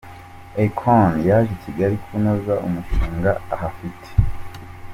Akon yaje i Kigali kunoza umushinga ahafite .